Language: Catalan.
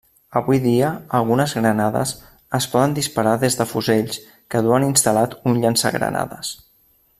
Avui dia, algunes granades es poden disparar des de fusells que duen instal·lat un llançagranades.